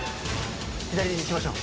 左にしましょう。